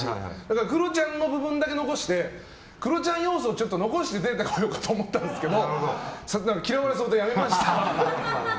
クロちゃんの部分だけ残してクロちゃん要素を残して出てこようかと思ったんですけど嫌われそうでやめました。